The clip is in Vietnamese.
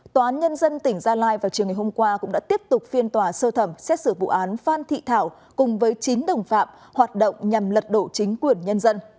tòa án nhân dân tỉnh gia lai vào chiều ngày hôm qua cũng đã tiếp tục phiên tòa sơ thẩm xét xử vụ án phan thị thảo cùng với chín đồng phạm hoạt động nhằm lật đổ chính quyền nhân dân